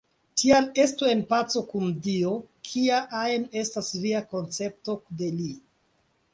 Tial estu en paco kun Dio, kia ajn estas via koncepto de Li.